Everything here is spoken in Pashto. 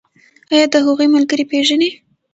ایا د هغوی ملګري پیژنئ؟